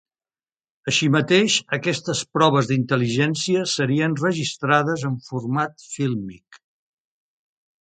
Així mateix, aquestes proves d'intel·ligència serien registrades en format fílmic.